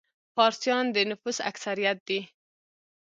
فارسیان د نفوس اکثریت دي.